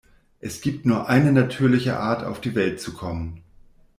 Es gibt nur eine natürliche Art, auf die Welt zu kommen.